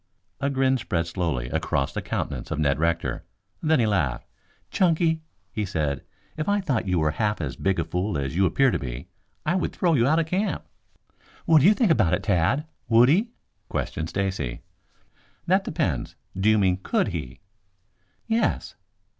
A grin spread slowly across the countenance of Ned Rector. Then he laughed. "Chunky," he said, "if I thought you were half as big a fool as you appear to be, I would throw you out of camp." "What do you think about it, Tad? Would he?" questioned Stacy. "That depends. Do you mean could he?" "Yes."